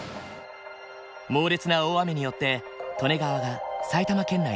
猛烈な大雨によって利根川が埼玉県内で決壊。